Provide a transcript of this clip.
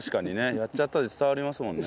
「やっちゃった」で伝わりますもんね。